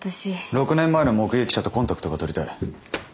６年前の目撃者とコンタクトが取りたい。